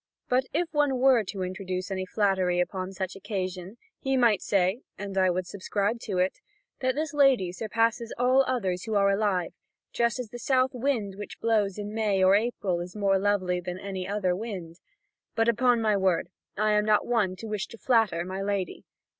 But if one were to introduce any flattery upon such an occasion, he might say, and I would subscribe to it, that this lady surpasses all others who are alive, just as the south wind which blows in May or April is more lovely than any other wind. But upon my word, I am not one to wish to flatter my lady.